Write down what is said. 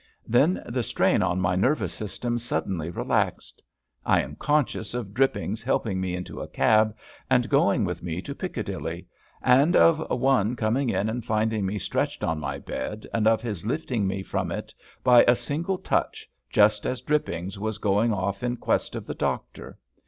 Then the strain on my nervous system suddenly relaxed. I am conscious of Drippings helping me into a cab, and going with me to Piccadilly, and of one coming in and finding me stretched on my bed, and of his lifting me from it by a single touch, just as Drippings was going off in quest of the doctor.